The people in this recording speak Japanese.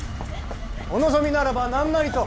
お望みならば何なりと！